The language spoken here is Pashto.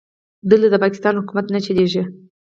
دلته د پاکستان حکومت نه چلېږي.